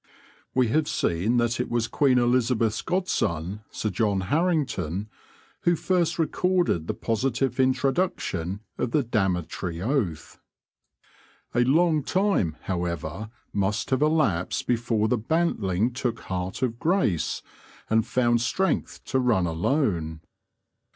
We have seen that it was Queen Elizabeth's godson Sir John Harington, who first recorded the positive introduction of the damnatory oath. A long time, however, must have elapsed before the bantling took heart of grace and found strength to run alone.